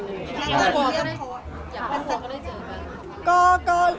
อยากพ่อก็ได้เจอกัน